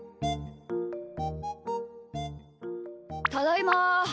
ただいま。